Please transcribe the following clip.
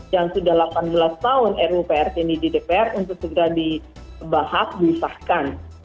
yang sudah delapan belas tahun ruprt ini di dpr untuk segera dibahas disahkan